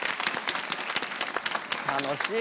楽しい。